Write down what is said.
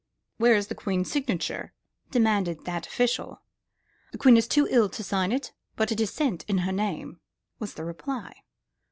"Where is the Queen's signature?" demanded that official. "The Queen is too ill to sign it, but it is sent in her name," was the reply.